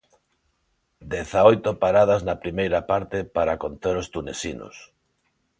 Dezaoito paradas na primeira parte para conter os tunesinos.